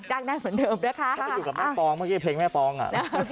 ได้เหมือนเดิมนะคะถ้าไปอยู่กับแม่ปองเมื่อกี้เพลงแม่ปองอ่ะ